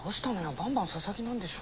バンバン佐々木なんでしょ？